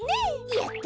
やった！